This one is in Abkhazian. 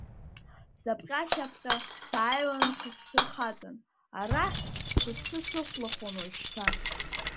Снапҟьа-шьапҟьо, сааиуан сыҽсырхаҵан, арахь, сыԥсы сыхәлахон уажәшьҭа.